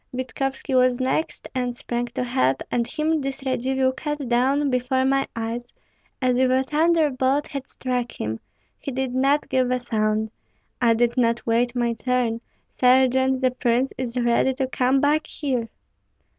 Vitkovski was next, and sprang to help; and him this Radzivill cut down before my eyes, as if a thunderbolt had struck him. He did not give a sound. I did not wait my turn. Sergeant, the prince is ready to come back here."